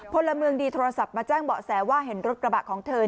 พลเมืองดีโทรศัพท์มาแจ้งเบาะแสว่าเห็นรถกระบะของเธอ